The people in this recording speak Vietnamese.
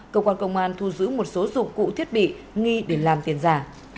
công an tp tuy hòa thu giữ một số dụng cụ thiết bị nghi để làm tiền giả